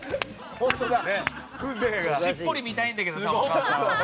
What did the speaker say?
しっぽり見たいんだけどお母さんを。